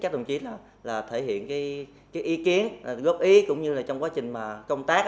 để thể hiện ý kiến góp ý cũng như trong quá trình công tác